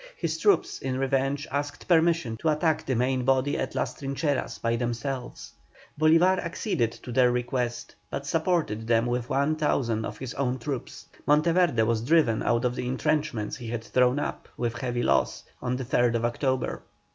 His troops, in revenge, asked permission to attack the main body at Las Trincheras by themselves. Bolívar acceded to their request but supported them with 1,000 of his own troops. Monteverde was driven out of the entrenchments he had thrown up, with heavy loss, on the 3rd October.